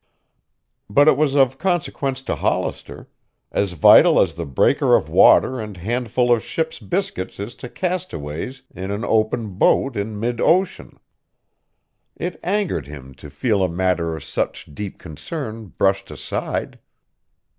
But it was of consequence to Hollister, as vital as the breaker of water and handful of ship's biscuits is to castaways in an open boat in mid ocean. It angered him to feel a matter of such deep concern brushed aside.